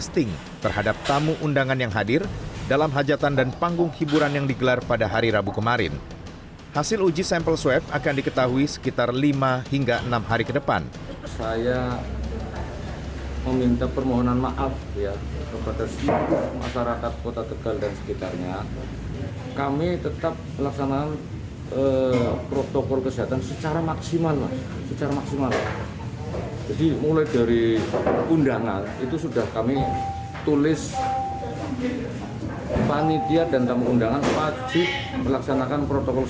terhadap seluruh tamu undangan